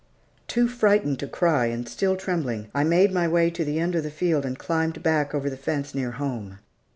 Too frightened to cry, and still trembling, I made my way to the end of the field and climbed back over the fence near home.